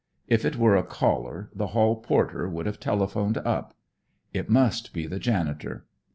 If it were a caller, the hall porter would have telephoned up. It must be the janitor.